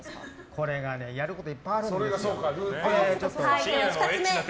これがねやることいっぱいあるんですよ。